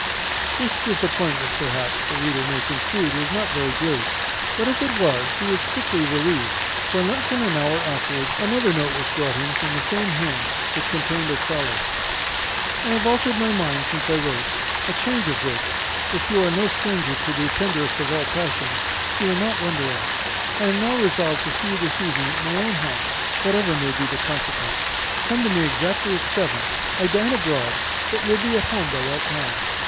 This disappointment, perhaps, the reader may conclude was not very great; but if it was, he was quickly relieved; for in less than an hour afterwards another note was brought him from the same hand, which contained as follows: "I have altered my mind since I wrote; a change which, if you are no stranger to the tenderest of all passions, you will not wonder at. I am now resolved to see you this evening at my own house, whatever may be the consequence. Come to me exactly at seven; I dine abroad, but will be at home by that time.